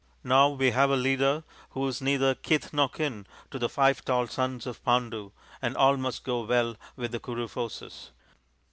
Now we have a leader who is neither kith nor kin to the five tall sons of Pandu, and all must go well with the Kuru forces.